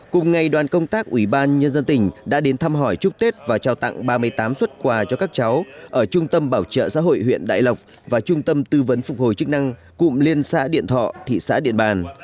cùng ngày đoàn công tác ủy ban nhân dân tỉnh đã đến thăm hỏi chúc tết và trao tặng ba mươi tám xuất quà cho các cháu ở trung tâm bảo trợ xã hội huyện đại lộc và trung tâm tư vấn phục hồi chức năng cụm liên xã điện thọ thị xã điện bàn